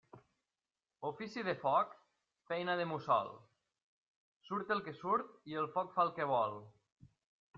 Ofici de foc, feina de mussol; surt el que surt i el foc fa el que vol.